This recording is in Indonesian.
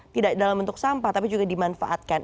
tidak dalam bentuk sampah tapi juga dimanfaatkan